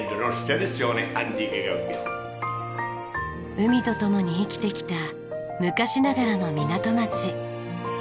海と共に生きてきた昔ながらの港町。